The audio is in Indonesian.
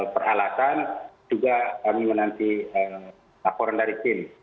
peralatan juga kami menanti laporan dari tim